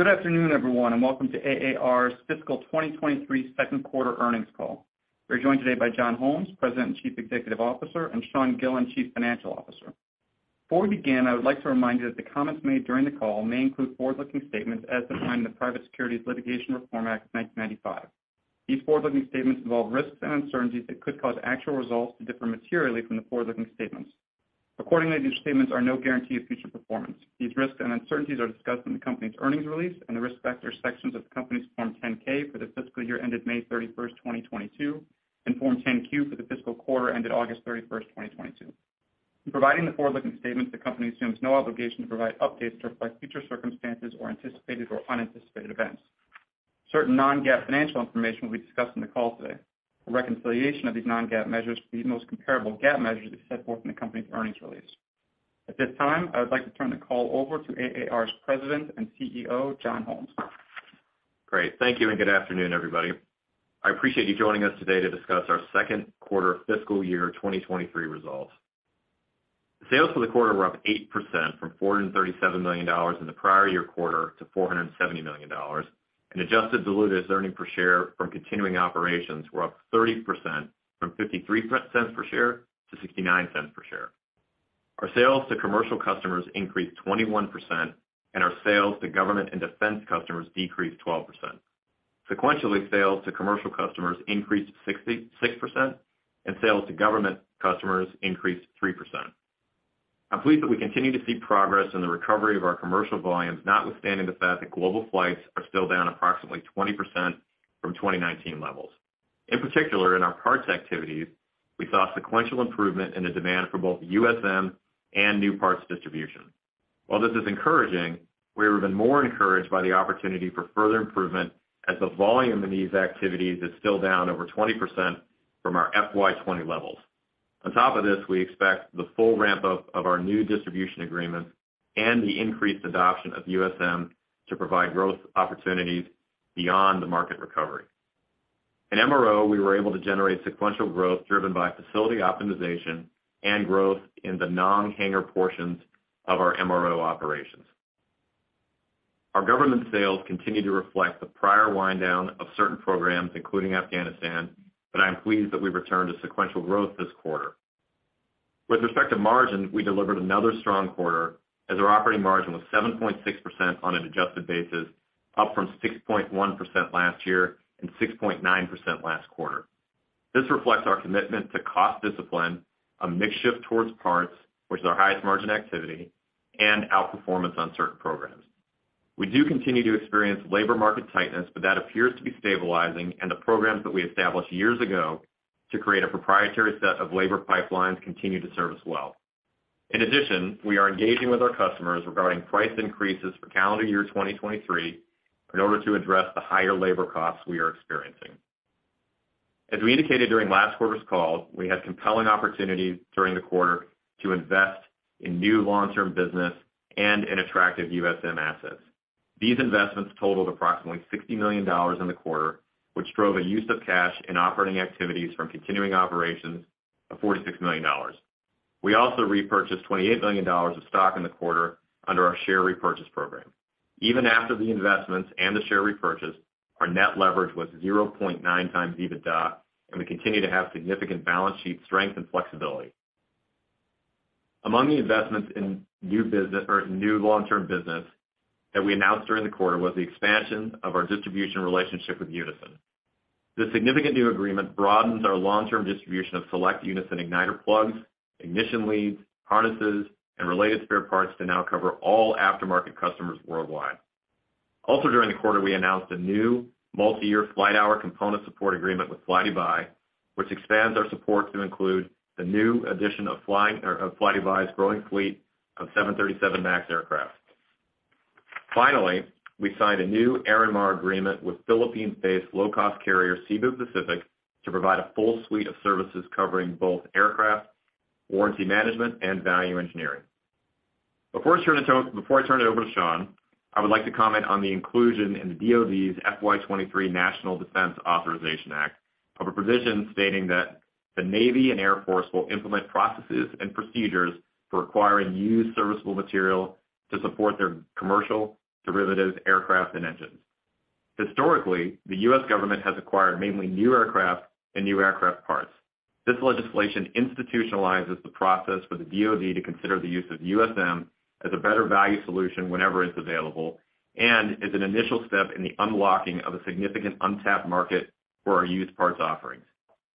Good afternoon, everyone, and welcome to AAR's fiscal year 2023 second quarter earnings call. We're joined today by John Holmes, President and Chief Executive Officer, and Sean Gillen, Chief Financial Officer. Before we begin, I would like to remind you that the comments made during the call may include forward-looking statements as defined in the Private Securities Litigation Reform Act of 1995. These forward-looking statements involve risks and uncertainties that could cause actual results to differ materially from the forward-looking statements. Accordingly, these statements are no guarantee of future performance. These risks and uncertainties are discussed in the company's earnings release and the Risk Factor sections of the company's Form 10-K for the fiscal year ended May 31, 2022, and Form 10-Q for the fiscal quarter ended August 31, 2022. In providing the forward-looking statements, the company assumes no obligation to provide updates to reflect future circumstances or anticipated or unanticipated events. Certain non-GAAP financial information will be discussed on the call today. A reconciliation of these non-GAAP measures to the most comparable GAAP measure is set forth in the company's earnings release. At this time, I would like to turn the call over to AAR's President and CEO, John Holmes. Great. Thank you, and good afternoon, everybody. I appreciate you joining us today to discuss our second quarter fiscal year 2023 results. Sales for the quarter were up 8% from $437 million in the prior year quarter to $470 million. Adjusted diluted earnings per share from continuing operations were up 30% from $0.53 per share to $0.69 per share. Our sales to commercial customers increased 21%, and our sales to government and defense customers decreased 12%. Sequentially, sales to commercial customers increased 66%, and sales to government customers increased 3%. I'm pleased that we continue to see progress in the recovery of our commercial volumes, notwithstanding the fact that global flights are still down approximately 20% from 2019 levels. In particular, in our parts activities, we saw sequential improvement in the demand for both USM and new parts distribution. While this is encouraging, we are even more encouraged by the opportunity for further improvement as the volume in these activities is still down over 20% from our FY 2020 levels. On top of this, we expect the full ramp-up of our new distribution agreements and the increased adoption of USM to provide growth opportunities beyond the market recovery. In MRO, we were able to generate sequential growth driven by facility optimization and growth in the non-hangar portions of our MRO operations. Our government sales continue to reflect the prior wind down of certain programs, including Afghanistan, but I am pleased that we returned to sequential growth this quarter. With respect to margin, we delivered another strong quarter as our operating margin was 7.6% on an adjusted basis, up from 6.1% last year and 6.9% last quarter. This reflects our commitment to cost discipline, a mix shift towards parts, which is our highest margin activity, and outperformance on certain programs. We do continue to experience labor market tightness, but that appears to be stabilizing, and the programs that we established years ago to create a proprietary set of labor pipelines continue to serve us well. We are engaging with our customers regarding price increases for calendar year 2023 in order to address the higher labor costs we are experiencing. As we indicated during last quarter's call, we had compelling opportunities during the quarter to invest in new long-term business and in attractive USM assets. These investments totaled approximately $60 million in the quarter, which drove a use of cash in operating activities from continuing operations of $46 million. We also repurchased $28 million of stock in the quarter under our share repurchase program. Even after the investments and the share repurchase, our net leverage was 0.9x EBITDA, and we continue to have significant balance sheet strength and flexibility. Among the investments in new long-term business that we announced during the quarter was the expansion of our distribution relationship with Unison. This significant new agreement broadens our long-term distribution of select Unison igniter plugs, ignition leads, harnesses, and related spare parts to now cover all aftermarket customers worldwide. Also, during the quarter, we announced a new multiyear flight hour component support agreement with flydubai, which expands our support to include the new addition of flydubai's growing fleet of 737 MAX aircraft. Finally, we signed a new Airinmar agreement with Philippines-based low-cost carrier Cebu Pacific to provide a full suite of services covering both aircraft, warranty management, and value engineering. Before I turn it over to Sean, I would like to comment on the inclusion in the DoD's FY 2023 National Defense Authorization Act of a provision stating that the Navy and Air Force will implement processes and procedures for acquiring used serviceable material to support their commercial derivatives, aircraft, and engines. Historically, the U.S. government has acquired mainly new aircraft and new aircraft parts. This legislation institutionalizes the process for the DoD to consider the use of USM as a better value solution whenever it's available, and is an initial step in the unlocking of a significant untapped market for our used parts offerings.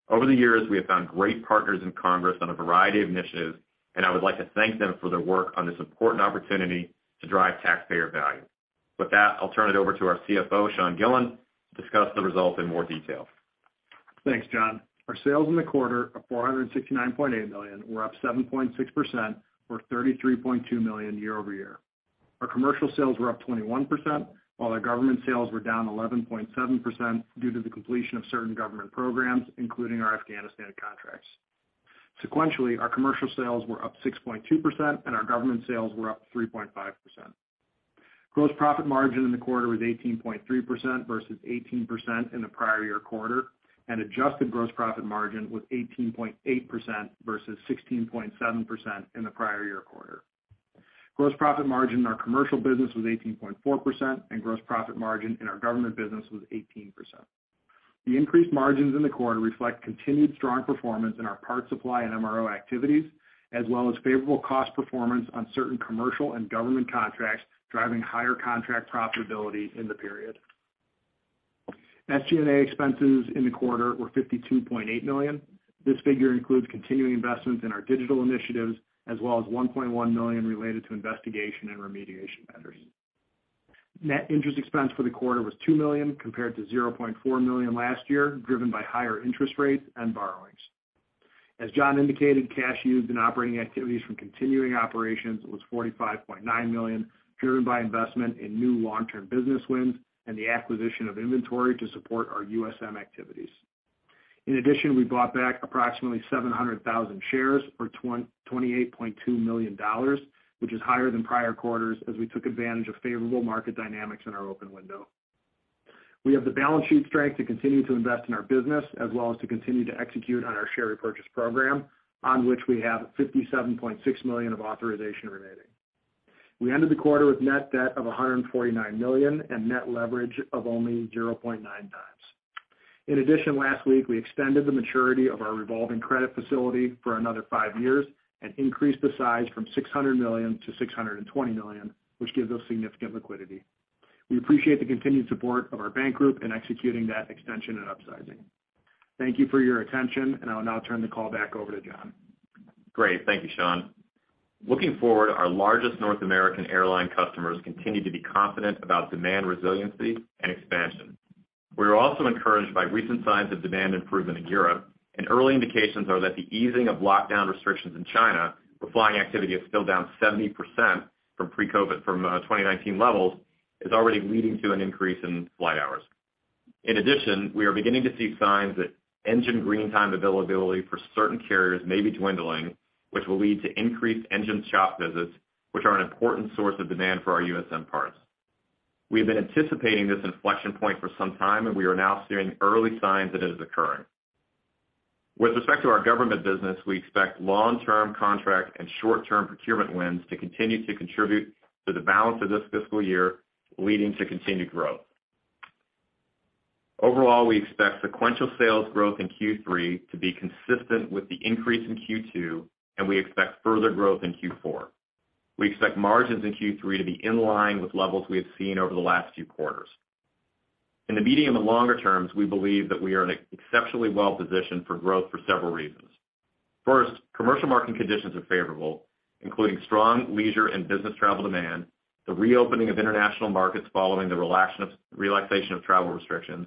Over the years, we have found great partners in Congress on a variety of initiatives, and I would like to thank them for their work on this important opportunity to drive taxpayer value. With that, I'll turn it over to our CFO, Sean Gillen, to discuss the results in more detail. Thanks, John. Our sales in the quarter of $469.8 million were up 7.6% or $33.2 million year-over-year. Our commercial sales were up 21%, while our government sales were down 11.7% due to the completion of certain government programs, including our Afghanistan contracts. Sequentially, our commercial sales were up 6.2%, and our government sales were up 3.5%. Gross profit margin in the quarter was 18.3% versus 18% in the prior year quarter, and adjusted gross profit margin was 18.8% versus 16.7% in the prior year quarter. Gross profit margin in our commercial business was 18.4%, and gross profit margin in our government business was 18%. The increased margins in the quarter reflect continued strong performance in our parts supply and MRO activities, as well as favorable cost performance on certain commercial and government contracts, driving higher contract profitability in the period. SG&A expenses in the quarter were $52.8 million. This figure includes continuing investments in our digital initiatives, as well as $1.1 million related to investigation and remediation matters. Net interest expense for the quarter was $2 million compared to $0.4 million last year, driven by higher interest rates and borrowings. As John indicated, cash used in operating activities from continuing operations was $45.9 million, driven by investment in new long-term business wins and the acquisition of inventory to support our USM activities. We bought back approximately 700,000 shares or $28.2 million, which is higher than prior quarters as we took advantage of favorable market dynamics in our open window. We have the balance sheet strength to continue to invest in our business, as well as to continue to execute on our share repurchase program, on which we have $57.6 million of authorization remaining. We ended the quarter with net debt of $149 million and net leverage of only 0.9x. Last week, we extended the maturity of our revolving credit facility for another five years and increased the size from $600 million to $620 million, which gives us significant liquidity. We appreciate the continued support of our bank group in executing that extension and upsizing. Thank you for your attention, and I will now turn the call back over to John. Great. Thank you, Sean. Looking forward, our largest North American airline customers continue to be confident about demand resiliency and expansion. We are also encouraged by recent signs of demand improvement in Europe, and early indications are that the easing of lockdown restrictions in China, where flying activity is still down 70% from pre-COVID 2019 levels, is already leading to an increase in flight hours. In addition, we are beginning to see signs that engine green time availability for certain carriers may be dwindling, which will lead to increased engine shop visits, which are an important source of demand for our USM parts. We have been anticipating this inflection point for some time, and we are now seeing early signs that it is occurring. With respect to our government business, we expect long-term contract and short-term procurement wins to continue to contribute to the balance of this fiscal year, leading to continued growth. Overall, we expect sequential sales growth in Q3 to be consistent with the increase in Q2, and we expect further growth in Q4. We expect margins in Q3 to be in line with levels we have seen over the last few quarters. In the medium and longer terms, we believe that we are exceptionally well positioned for growth for several reasons. First, commercial market conditions are favorable, including strong leisure and business travel demand, the reopening of international markets following the relaxation of travel restrictions,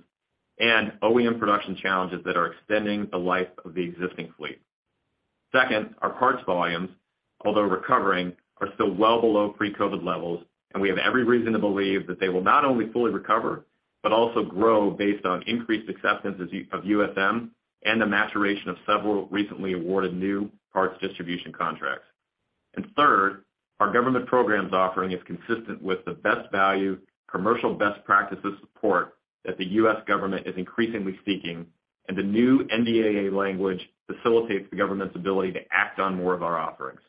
and OEM production challenges that are extending the life of the existing fleet. Second, our parts volumes, although recovering, are still well below pre-COVID levels, and we have every reason to believe that they will not only fully recover, but also grow based on increased acceptance of USM and the maturation of several recently awarded new parts distribution contracts. Third, our U.S. government programs offering is consistent with the best value commercial best practices support that the U.S. government is increasingly seeking, and the new NDAA language facilitates the government's ability to act on more of our offerings.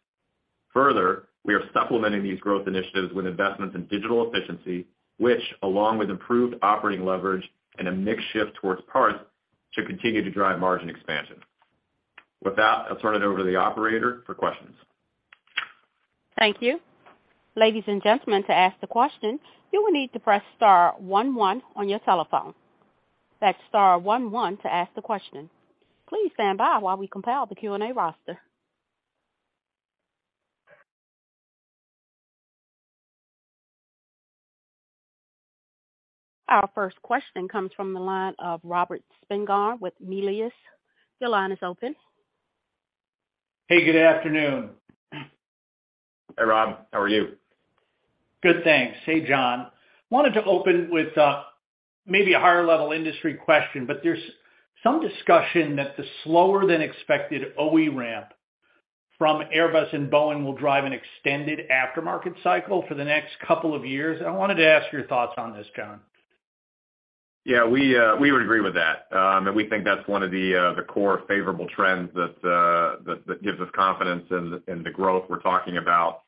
Further, we are supplementing these growth initiatives with investments in digital efficiency, which, along with improved operating leverage and a mix shift towards parts, should continue to drive margin expansion. With that, I'll turn it over to the operator for questions. Thank you. Ladies and gentlemen, to ask the question, you will need to press star one one on your telephone. That's star one one to ask the question. Please stand by while we compile the Q&A roster. Our first question comes from the line of Robert Spingarn with Melius. Your line is open. Hey, good afternoon. Hey, Rob. How are you? Good, thanks. Hey, John. Wanted to open with, maybe a higher level industry question, but there's some discussion that the slower than expected OE ramp from Airbus and Boeing will drive an extended aftermarket cycle for the next two years. I wanted to ask your thoughts on this, John. Yeah, we would agree with that. We think that's one of the core favorable trends that gives us confidence in the, in the growth we're talking about,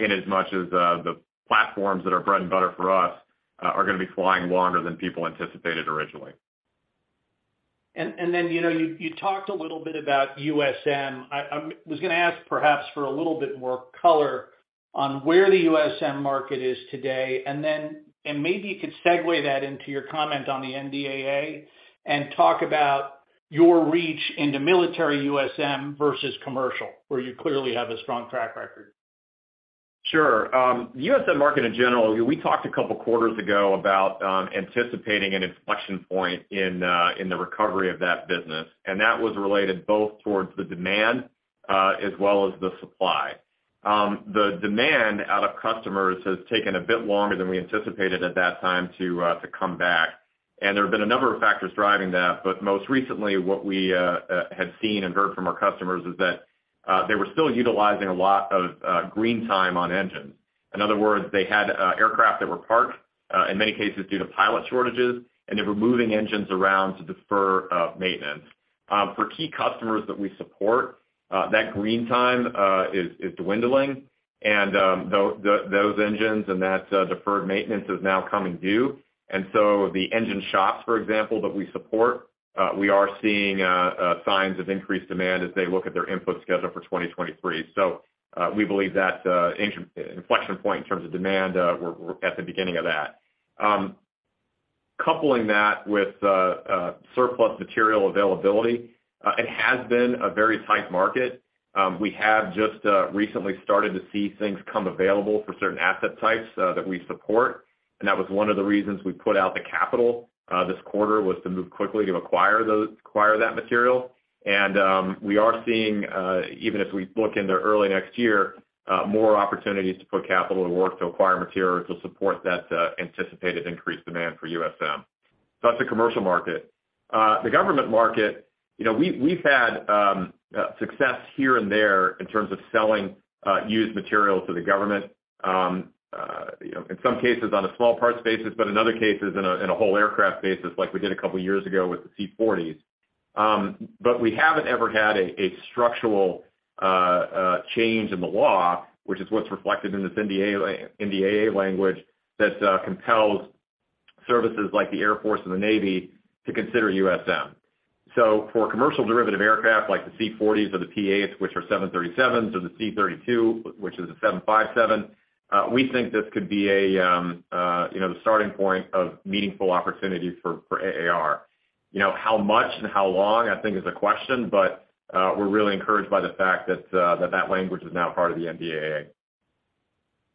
in as much as, the platforms that are bread and butter for us, are going to be flying longer than people anticipated originally. Then, you know, you talked a little bit about USM. I was gonna ask perhaps for a little bit more color on where the USM market is today. Then, maybe you could segue that into your comment on the NDAA and talk about your reach into military USM versus commercial, where you clearly have a strong track record. Sure. The USM market in general, we talked a couple quarters ago about anticipating an inflection point in the recovery of that business, and that was related both towards the demand as well as the supply. The demand out of customers has taken a bit longer than we anticipated at that time to come back, and there have been a number of factors driving that. Most recently, what we had seen and heard from our customers is that they were still utilizing a lot of green time on engines. In other words, they had aircraft that were parked in many cases, due to pilot shortages, and they were moving engines around to defer maintenance. For key customers that we support, that green time is dwindling and those engines and that deferred maintenance is now coming due. The engine shops, for example, that we support, we are seeing signs of increased demand as they look at their input schedule for 2023. We believe that engine inflection point in terms of demand, we're at the beginning of that. Coupling that with surplus material availability, it has been a very tight market. We have just recently started to see things come available for certain asset types that we support, and that was one of the reasons we put out the capital this quarter was to move quickly to acquire that material. We are seeing, even as we look into early next year, more opportunities to put capital to work to acquire material to support that anticipated increased demand for USM. That's the commercial market. The government market, you know, we've had success here and there in terms of selling used material to the government. You know, in some cases on a small parts basis, but in other cases in a whole aircraft basis like we did a couple of years ago with the C-40s. We haven't ever had a structural change in the law, which is what's reflected in this NDAA language that compels services like the Air Force and the Navy to consider USM. for commercial derivative aircraft like the C-40s or the P-8s, which are 737s or the C-32, which is a 757, we think this could be a, you know, the starting point of meaningful opportunities for AAR. You know, how much and how long, I think is a question. we're really encouraged by the fact that language is now part of the NDAA.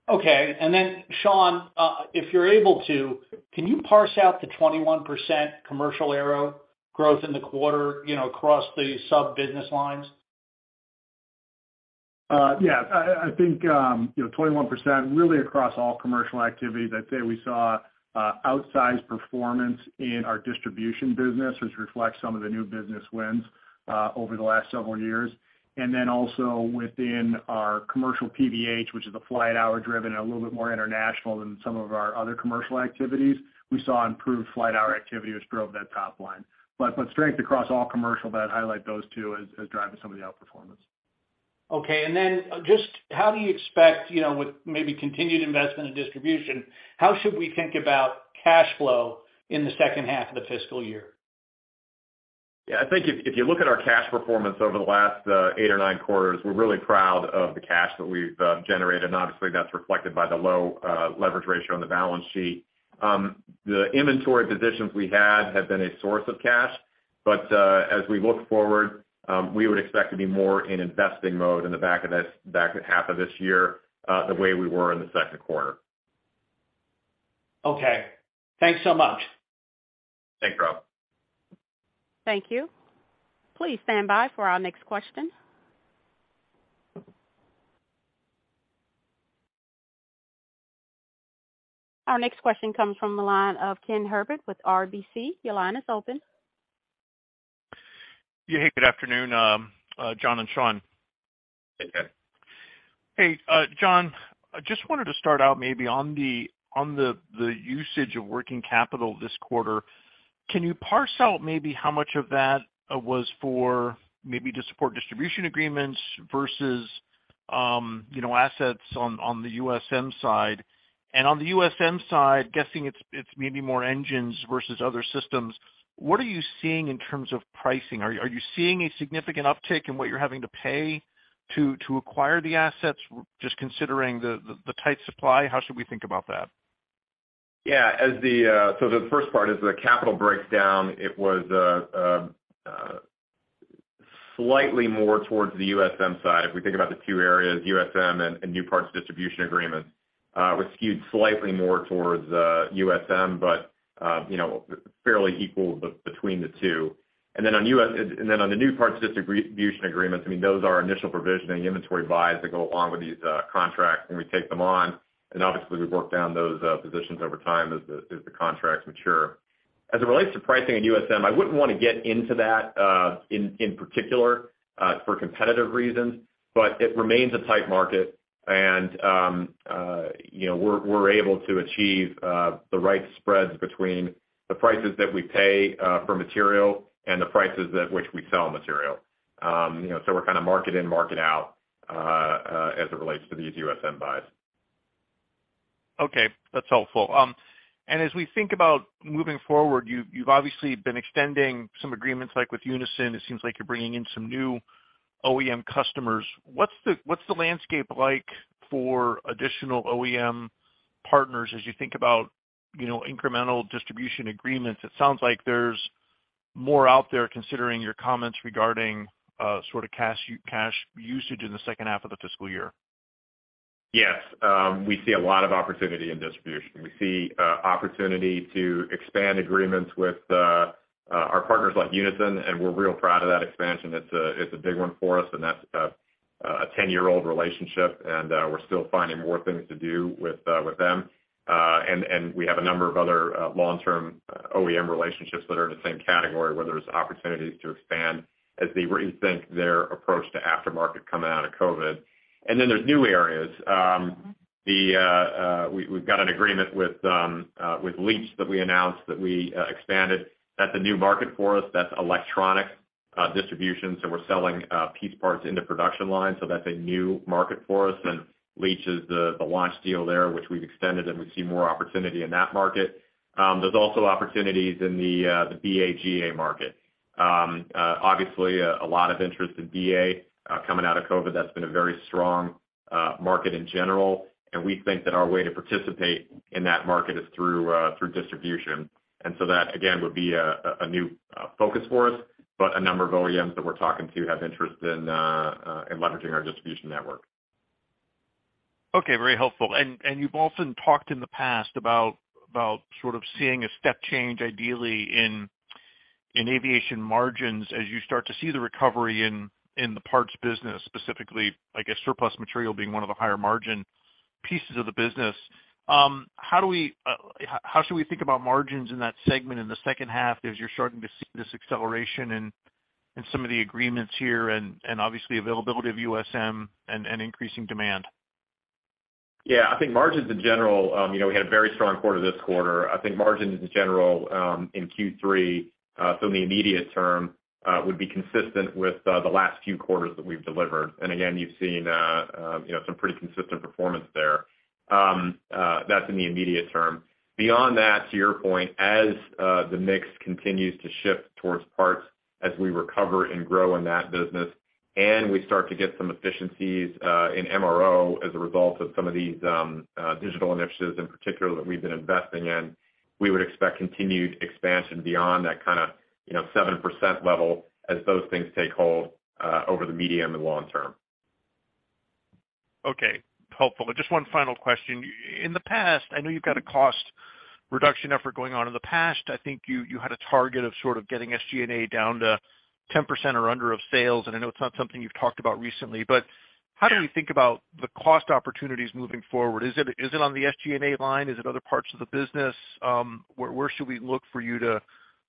Okay. Sean, if you're able to, can you parse out the 21% commercial aero growth in the quarter, you know, across the sub-business lines? Yeah. I think, you know, 21% really across all commercial activity that day, we saw outsized performance in our distribution business, which reflects some of the new business wins over the last several years. Also within our commercial PBH, which is the flight hour driven and a little bit more international than some of our other commercial activities, we saw improved flight hour activity, which drove that top line. Strength across all commercial, but I'd highlight those two as driving some of the outperformance. Okay. Just how do you expect, you know, with maybe continued investment in distribution, how should we think about cash flow in the second half of the fiscal year? Yeah, I think if you look at our cash performance over the last eight or nine quarters, we're really proud of the cash that we've generated, and obviously, that's reflected by the low leverage ratio on the balance sheet. The inventory positions we had have been a source of cash. As we look forward, we would expect to be more in investing mode in the back half of this year, the way we were in the second quarter. Okay. Thanks so much. Thanks, Rob. Thank you. Please stand by for our next question. Our next question comes from the line of Ken Herbert with RBC. Your line is open. Yeah. Hey, good afternoon, John and Sean. Hey, Ken. Hey, John, I just wanted to start out maybe on the usage of working capital this quarter. Can you parse out maybe how much of that was for maybe to support distribution agreements versus, you know, assets on the USM side? On the USM side, guessing it's maybe more engines versus other systems, what are you seeing in terms of pricing? Are you seeing a significant uptick in what you’re having to pay to acquire the assets? Just considering the tight supply, how should we think about that? As the first part is the capital breakdown. It was slightly more towards the USM side. If we think about the two areas, USM and new parts distribution agreements, was skewed slightly more towards USM, but, you know, fairly equal between the two. Then on the new parts distribution agreements, I mean, those are initial provisioning inventory buys that go along with these contracts when we take them on. Obviously, we work down those positions over time as the contracts mature. As it relates to pricing at USM, I wouldn't want to get into that, in particular, for competitive reasons. It remains a tight market and, you know, we're able to achieve the right spreads between the prices that we pay for material and the prices at which we sell material. You know, we're kind of market in, market out, as it relates to these USM buys. Okay. That's helpful. As we think about moving forward, you've obviously been extending some agreements like with Unison. It seems like you're bringing in some new OEM customers. What's the landscape like for additional OEM partners as you think about, you know, incremental distribution agreements? It sounds like there's more out there considering your comments regarding sort of cash usage in the second half of the fiscal year. Yes. We see a lot of opportunity in distribution. We see opportunity to expand agreements with our partners like Unison, and we're real proud of that expansion. It's a big one for us, and that's a 10-year-old relationship, and we're still finding more things to do with them. We have a number of other long-term OEM relationships that are in the same category, where there's opportunities to expand as they rethink their approach to aftermarket coming out of COVID. There's new areas. We've got an agreement with Leach that we announced that we expanded. That's a new market for us. That's electronic distribution. We're selling piece parts into production lines, so that's a new market for us. Leach is the launch deal there, which we've extended, and we see more opportunity in that market. There's also opportunities in the BGA market. Obviously, a lot of interest in BA. Coming out of COVID, that's been a very strong market in general, and we think that our way to participate in that market is through distribution. That, again, would be a new focus for us, but a number of OEMs that we're talking to have interest in leveraging our distribution network. Okay, very helpful. You've also talked in the past about sort of seeing a step change ideally in aviation margins as you start to see the recovery in the parts business, specifically, I guess, surplus material being one of the higher margin pieces of the business. How do we think about margins in that segment in the second half, as you're starting to see this acceleration in some of the agreements here and obviously availability of USM and increasing demand? Yeah. I think margins in general, you know, we had a very strong quarter this quarter. I think margins in general, in Q3, so in the immediate term, would be consistent with the last few quarters that we've delivered. Again, you've seen, you know, some pretty consistent performance there. That's in the immediate term. Beyond that, to your point, as the mix continues to shift towards parts as we recover and grow in that business, and we start to get some efficiencies in MRO as a result of some of these digital initiatives in particular that we've been investing in, we would expect continued expansion beyond that kind of, you know, 7% level as those things take hold over the medium and long term. Okay. Helpful. Just one final question. In the past, I know you've got a cost reduction effort going on. In the past, I think you had a target of sort of getting SG&A down to 10% or under of sales. I know it's not something you've talked about recently. How do you think about the cost opportunities moving forward? Is it on the SG&A line? Is it other parts of the business? Where should we look for you to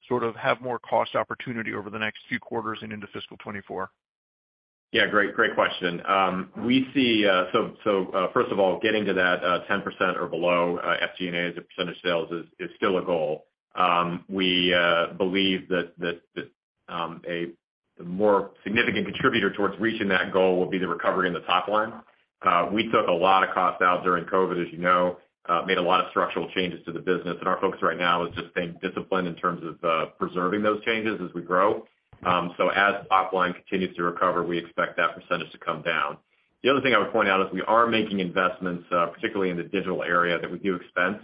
sort of have more cost opportunity over the next few quarters and into fiscal year 2024? Yeah. Great, great question. We see first of all, getting to that 10% or below SG&A as a percentage of sales is still a goal. We believe that the more significant contributor towards reaching that goal will be the recovery in the top line. We took a lot of cost out during COVID, as you know, made a lot of structural changes to the business, and our focus right now is just staying disciplined in terms of preserving those changes as we grow. As top line continues to recover, we expect that percentage to come down. The other thing I would point out is we are making investments, particularly in the digital area, that we do expense,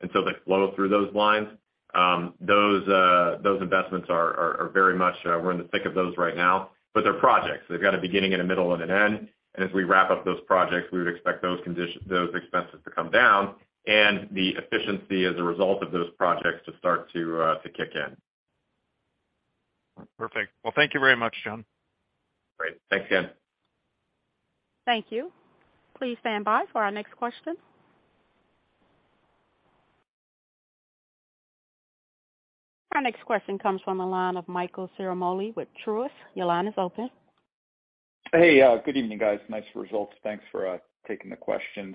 and they flow through those lines. Those investments are very much, we're in the thick of those right now. They're projects. They've got a beginning and a middle and an end, and as we wrap up those projects, we would expect those expenses to come down and the efficiency as a result of those projects to start to kick in. Perfect. Well, thank you very much, John. Great. Thanks, Ken. Thank you. Please stand by for our next question. Our next question comes from the line of Michael Ciarmoli with Truist. Your line is open. Hey. Good evening, guys. Nice results. Thanks for taking the questions.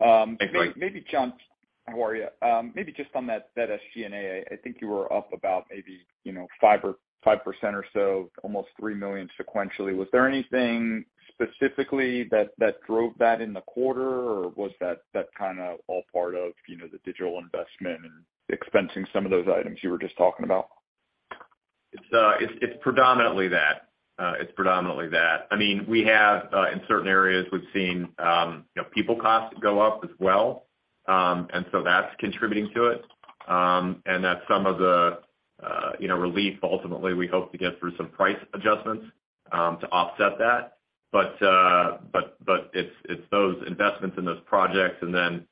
Hey, Mike. Maybe, John, how are you? Maybe just on that SG&A, I think you were up about maybe, you know, 5% or so, almost $3 million sequentially. Was there anything specifically that drove that in the quarter, or was that kind of all part of, you know, the digital investment and expensing some of those items you were just talking about? It's predominantly that. It's predominantly that. I mean, we have, in certain areas we've seen, you know, people costs go up as well. That's contributing to it. That's some of the, you know, relief ultimately we hope to get through some price adjustments, to offset that. It's those investments in those projects and then,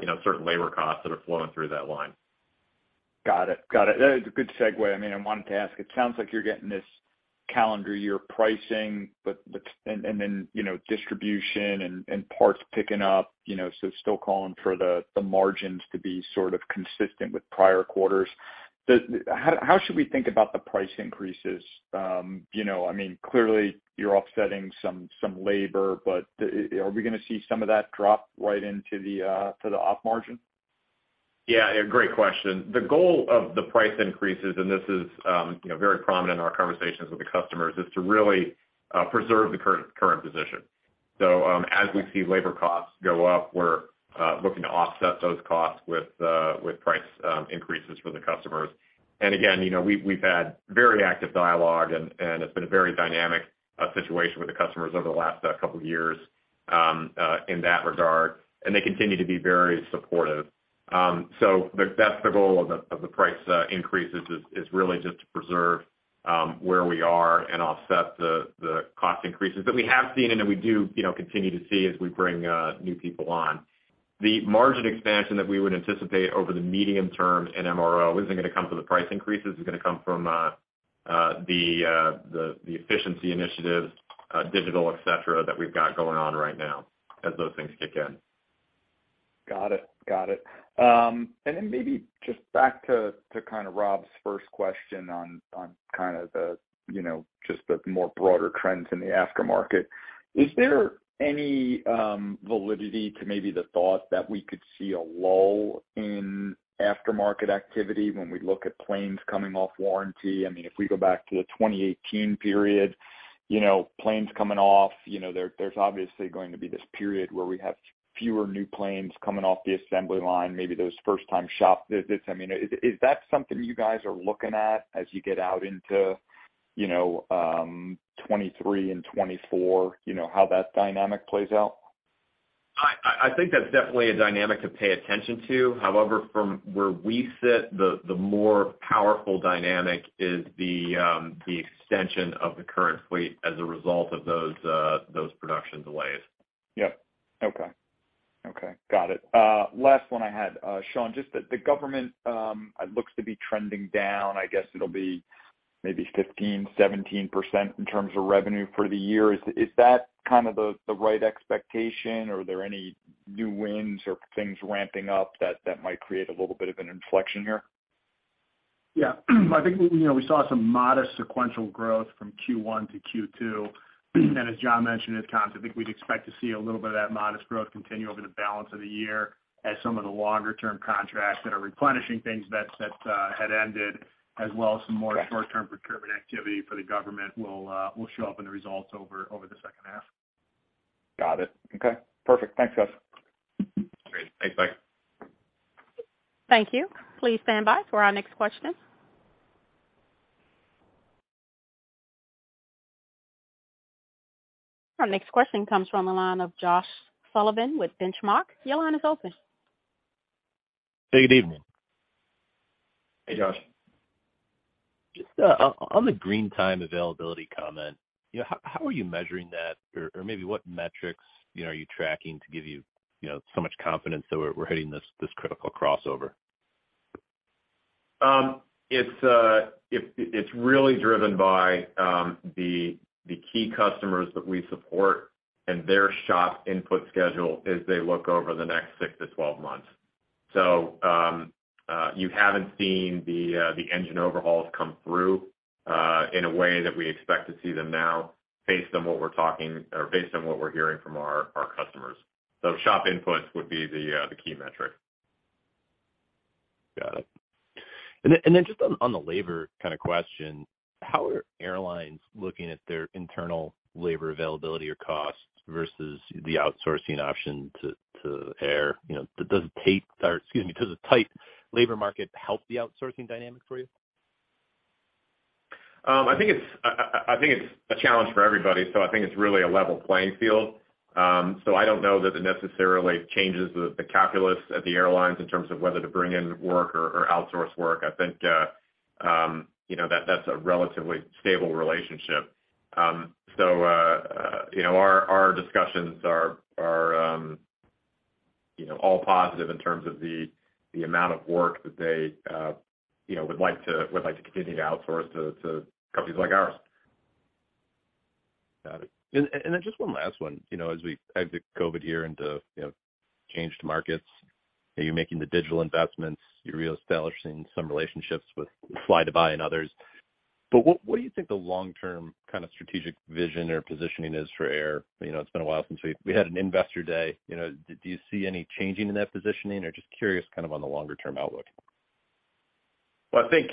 you know, certain labor costs that are flowing through that line. Got it. Got it. That is a good segue. I mean, I wanted to ask, it sounds like you're getting this calendar year pricing, but and then, you know, distribution and parts picking up, you know, so still calling for the margins to be sort of consistent with prior quarters. How should we think about the price increases? you know, I mean, clearly you're offsetting some labor, but are we gonna see some of that drop right into the op margin? Yeah. Great question. The goal of the price increases, and this is, you know, very prominent in our conversations with the customers, is to really preserve the current position. As we see labor costs go up, we're looking to offset those costs with price increases for the customers. Again, you know, we've had very active dialogue and it's been a very dynamic situation with the customers over the last couple years in that regard, and they continue to be very supportive. That's the goal of the price increases is really just to preserve where we are and offset the cost increases that we have seen and that we do, you know, continue to see as we bring new people on. The margin expansion that we would anticipate over the medium term in MRO isn't gonna come from the price increases. It's gonna come from the efficiency initiatives, digital, et cetera, that we've got going on right now as those things kick in. Got it. Got it. Maybe just back to kind of Rob's first question on kind of the, you know, just the more broader trends in the aftermarket. Is there any validity to maybe the thought that we could see a lull in aftermarket activity when we look at planes coming off warranty? I mean, if we go back to the 2018 period, you know, planes coming off, you know, there's obviously going to be this period where we have fewer new planes coming off the assembly line, maybe those first time shop visits. I mean, is that something you guys are looking at as you get out into, you know, 2023 and 2024, you know, how that dynamic plays out? I think that's definitely a dynamic to pay attention to. From where we sit, the more powerful dynamic is the extension of the current fleet as a result of those production delays. Yep. Okay. Okay. Got it. Last one I had, Sean, just the government looks to be trending down. I guess it'll be maybe 15%-17% in terms of revenue for the year. Is that kind of the right expectation or are there any new wins or things ramping up that might create a little bit of an inflection here? Yeah. I think, you know, we saw some modest sequential growth from Q1 to Q2. As John mentioned, as cons, I think we'd expect to see a little bit of that modest growth continue over the balance of the year as some of the longer term contracts that are replenishing things that had ended, as well as some more short-term procurement activity for the Government will show up in the results over the second half. Got it. Okay, perfect. Thanks, guys. Great. Thanks, Mike. Thank you. Please stand by for our next question. Our next question comes from the line of Josh Sullivan with Benchmark. Your line is open. Hey, good evening. Hey, Josh. Just on the green time availability comment, you know, how are you measuring that? Or maybe what metrics, you know, are you tracking to give you know, so much confidence that we're hitting this critical crossover? It's really driven by the key customers that we support and their shop input schedule as they look over the next six to 12 months. You haven't seen the engine overhauls come through in a way that we expect to see them now based on what we're talking or based on what we're hearing from our customers. Shop inputs would be the key metric. Got it. Just on the labor kind of question, how are airlines looking at their internal labor availability or costs versus the outsourcing option to AAR? You know, does a tight labor market help the outsourcing dynamic for you? I think it's a challenge for everybody, so I think it's really a level playing field. I don't know that it necessarily changes the calculus at the airlines in terms of whether to bring in work or outsource work. I think, you know, that's a relatively stable relationship. You know, our discussions are, you know, all positive in terms of the amount of work that they, you know, would like to continue to outsource to companies like ours. Got it. Then just one last one. You know, as we exit COVID here into, you know, changed markets, are you making the digital investments, you're reestablishing some relationships with flydubai and others, but what do you think the long-term kind of strategic vision or positioning is for AAR? You know, it's been a while since we had an Investor Day. You know, do you see any changing in that positioning? Just curious kind of on the longer term outlook. Well, I think,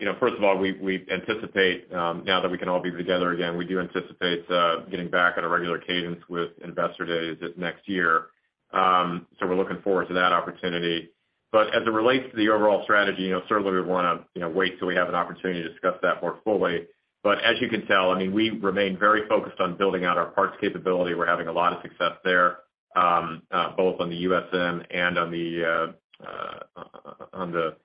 you know, first of all, we anticipate, now that we can all be together again, we do anticipate getting back on a regular cadence with Investor Days this next year. We're looking forward to that opportunity. As it relates to the overall strategy, you know, certainly we wanna, you know, wait till we have an opportunity to discuss that more fully. As you can tell, I mean, we remain very focused on building out our parts capability. We're having a lot of success there, both on the USM and on the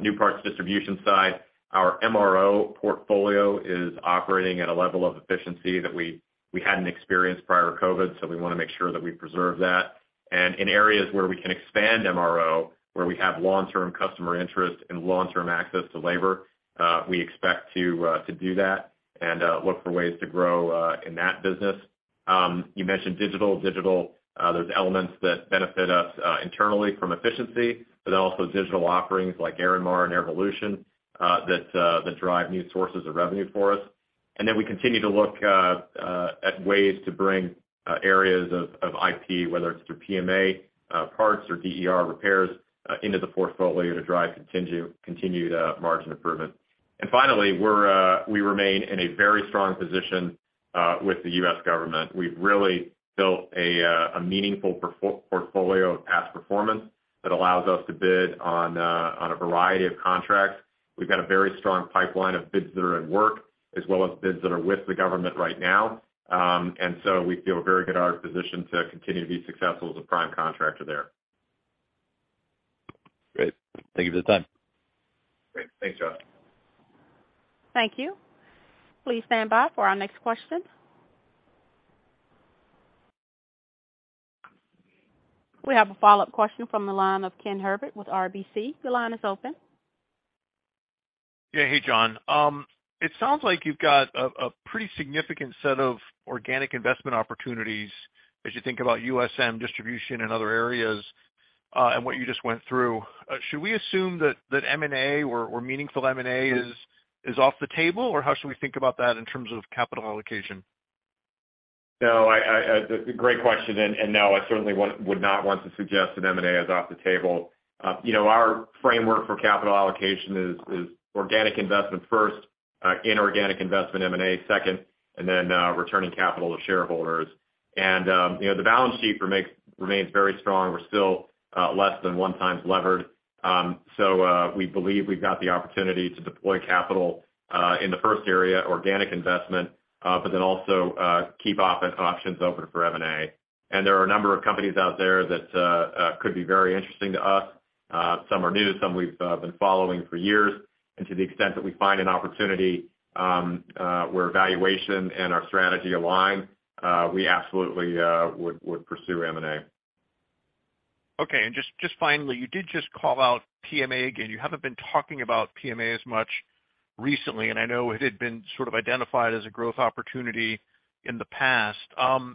new parts distribution side. Our MRO portfolio is operating at a level of efficiency that we hadn't experienced prior to COVID, we wanna make sure that we preserve that. In areas where we can expand MRO, where we have long-term customer interest and long-term access to labor, we expect to do that and look for ways to grow in that business. You mentioned digital. Digital, there's elements that benefit us internally from efficiency, also digital offerings like Airinmar and Airvolution that drive new sources of revenue for us. We continue to look at ways to bring areas of IT, whether it's through PMA parts or DER repairs, into the portfolio to drive continued margin improvement. Finally, we remain in a very strong position with the U.S. government. We've really built a meaningful portfolio of past performance that allows us to bid on a variety of contracts. We've got a very strong pipeline of bids that are at work, as well as bids that are with the government right now. We feel very good at our position to continue to be successful as a prime contractor there. Great. Thank you for the time. Great. Thanks, Josh. Thank you. Please stand by for our next question. We have a follow-up question from the line of Ken Herbert with RBC. Your line is open. Yeah. Hey, John. It sounds like you've got a pretty significant set of organic investment opportunities as you think about USM distribution in other areas, and what you just went through. Should we assume that M&A or meaningful M&A is off the table, or how should we think about that in terms of capital allocation? No, I... Great question. No, I certainly would not want to suggest that M&A is off the table. You know, our framework for capital allocation is organic investment first, inorganic investment, M&A second, and then, returning capital to shareholders. You know, the balance sheet remains very strong. We're still, less than 1x levered. We believe we've got the opportunity to deploy capital, in the first area, organic investment, also, keep options open for M&A. There are a number of companies out there that could be very interesting to us. Some are new, some we've been following for years. To the extent that we find an opportunity, where valuation and our strategy align, we absolutely would pursue M&A. Okay. Just finally, you did just call out PMA again. You haven't been talking about PMA as much recently, and I know it had been sort of identified as a growth opportunity in the past.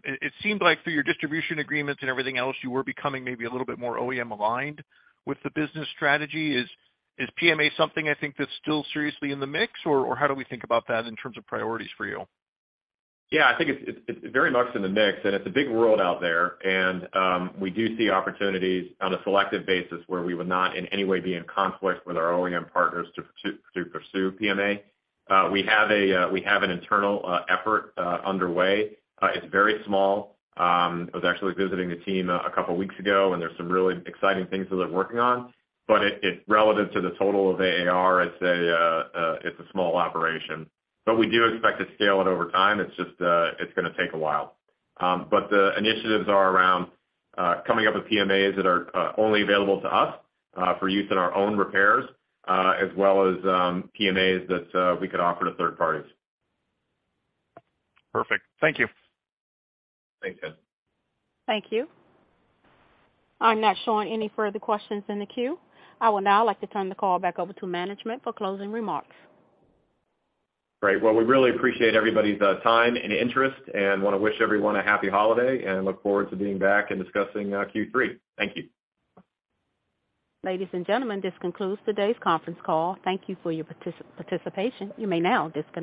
It seemed like through your distribution agreements and everything else, you were becoming maybe a little bit more OEM aligned with the business strategy. Is PMA something I think that's still seriously in the mix, or how do we think about that in terms of priorities for you? Yeah, I think it's very much in the mix. It's a big world out there, and we do see opportunities on a selective basis where we would not in any way be in conflict with our OEM partners to pursue PMA. We have an internal effort underway. It's very small. I was actually visiting the team a couple weeks ago, and there's some really exciting things that they're working on, but it relevant to the total of AAR. It's a small operation. We do expect to scale it over time. It's just it's gonna take a while. The initiatives are around coming up with PMAs that are only available to us for use in our own repairs, as well as PMAs that we could offer to third parties. Perfect. Thank you. Thank you. Thank you. I'm not showing any further questions in the queue. I would now like to turn the call back over to management for closing remarks. Great. Well, we really appreciate everybody's time and interest and wanna wish everyone a happy holiday and look forward to being back and discussing Q3. Thank you. Ladies and gentlemen, this concludes today's conference call. Thank you for your participation. You may now disconnect.